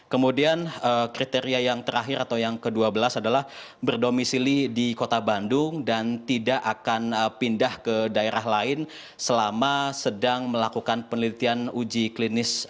kemudian kriteria yang terakhir atau yang ke dua belas adalah berdomisili di kota bandung dan tidak akan pindah ke daerah lain selama sedang melakukan penelitian uji klinis